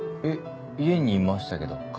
えっ家にいましたけど。